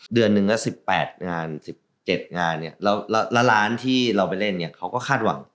เดือนหนึ่งละ๑๘งาน๑๗งานเนี่ยแล้วร้านที่เราไปเล่นเนี่ยเขาก็คาดหวัง